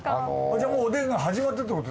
じゃもうおでんが始まったってこと？